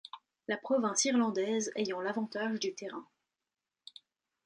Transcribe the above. La province irlandaise ayant l'avantage du terrain.